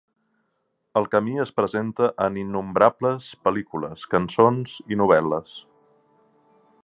El camí es presenta en innombrables pel·lícules, cançons i novel·les.